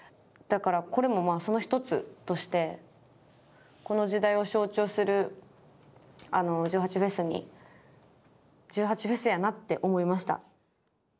だからこれもその一つとしてこの時代を象徴する１８祭に１８祭やなって思いました。